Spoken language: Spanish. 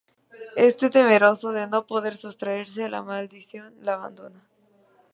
Éste, temeroso de no poder sustraerse a la maldición la abandona.